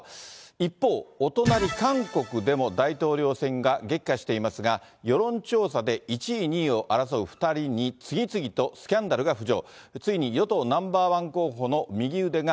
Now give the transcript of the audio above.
一方、お隣、韓国でも大統領選が激化していますが、世論調査で１位、２位を争う２人に、次々とスキャンダルが浮上。